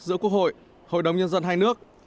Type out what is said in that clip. giữa quốc hội hội đồng nhân dân hai nước